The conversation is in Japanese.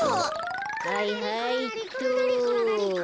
はいはいっと。